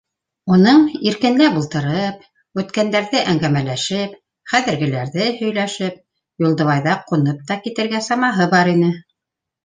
Уның иркенләп ултырып, үткәндәрҙе әңгәмәләшеп, хәҙергеләрҙе һөйләшеп, Юлдыбайҙа ҡунып та китергә самаһы бар ине.